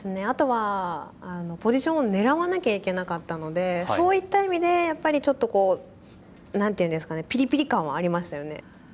あとはあのポジションを狙わなきゃいけなかったのでそういった意味でやっぱりちょっとこう何ていうんですかねぴりぴり感はありましたよね。